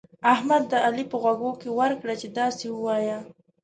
احمد د علي په غوږو کې ورکړه چې داسې ووايه.